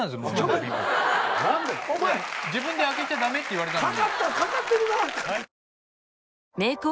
自分で開けちゃ駄目って言われたのに。